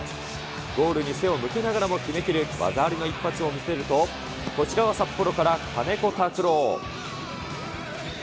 ゴールに背を向けながらも決めきる、技ありの一発を見せると、こちらは札幌から金子拓郎。